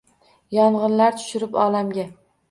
Yong’inlar tushirib olamga